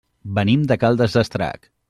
Venim de Caldes d'Estrac.